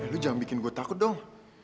eh lo jangan bikin gue takut dong